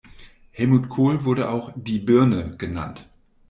Helmut Kohl wurde auch "die Birne" genannt.